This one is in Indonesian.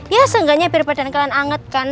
ya seenggaknya biar badan kalian angetkan